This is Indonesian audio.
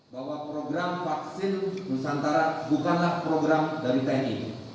bahwa program vaksin nusantara bukanlah program dari tni